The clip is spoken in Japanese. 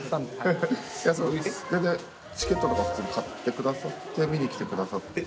全然チケットとか普通に買ってくださって見に来てくださってて。